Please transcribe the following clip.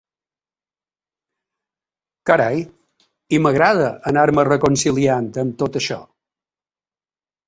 Carai, i m’agrada anar-me reconciliant amb tot això.